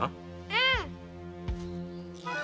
うん！